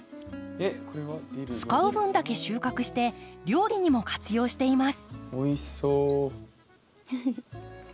使う分だけ収穫して料理にも活用しています。